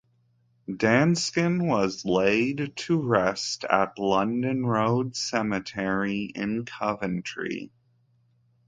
Danskin was laid to rest at London Road Cemetery in Coventry.